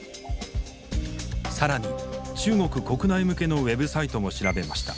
更に中国国内向けのウェブサイトも調べました。